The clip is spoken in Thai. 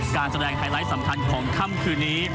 การแสดงไฮไลท์สำคัญของค่ำคืนนี้